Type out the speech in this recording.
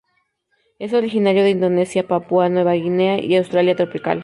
Es originario de Indonesia, Papua Nueva Guinea, y Australia tropical.